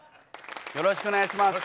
よろしくお願いします。